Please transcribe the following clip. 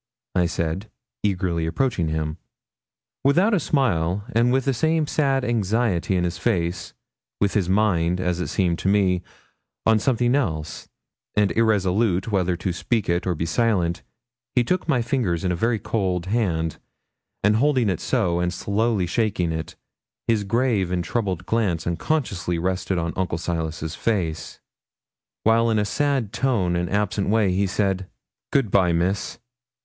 I said, eagerly approaching him. Without a smile, with the same sad anxiety in his face, with his mind, as it seemed to me, on something else, and irresolute whether to speak it or be silent, he took my fingers in a very cold hand, and holding it so, and slowly shaking it, his grave and troubled glance unconsciously rested on Uncle Silas's face, while in a sad tone and absent way he said 'Good bye, Miss.'